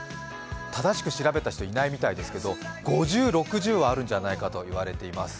正しく調べた人、いないみたいですけど、５０、６０はあるんじゃないかと言われています。